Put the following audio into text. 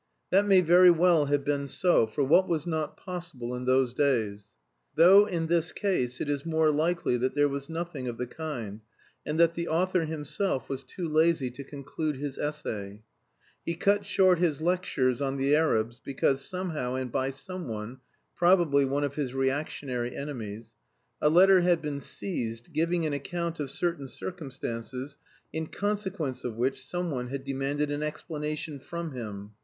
That may very well have been so, for what was not possible in those days? Though, in this case, it is more likely that there was nothing of the kind, and that the author himself was too lazy to conclude his essay. He cut short his lectures on the Arabs because, somehow and by someone (probably one of his reactionary enemies) a letter had been seized giving an account of certain circumstances, in consequence of which someone had demanded an explanation from him.